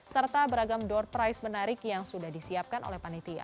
serta beragam door price menarik yang sudah disiapkan oleh panitia